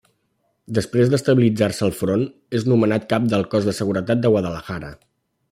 Després d'estabilitzar-se el front, és nomenat Cap del Cos de Seguretat de Guadalajara.